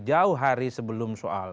jauh hari sebelum soal